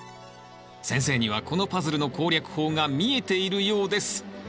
先生にはこのパズルの攻略法が見えているようです。